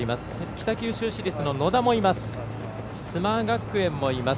北九州市立の野田もいます。